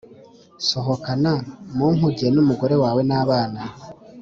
Sohokana mu nkuge n umugore wawe n abana